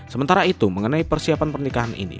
sementara itu mengenai persiapan pernikahan ini